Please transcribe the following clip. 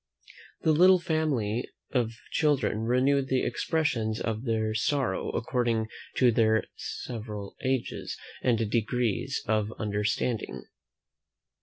The little family of children renewed the expressions of their sorrow according to their several ages and degrees of understanding.